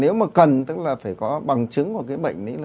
nếu mà cần tức là phải có bằng chứng của cái bệnh